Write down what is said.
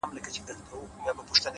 واپس دې وخندل واپس راپسې وبه ژاړې _